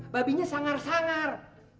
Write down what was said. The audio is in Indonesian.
alah kenapa abang kagak ngelawan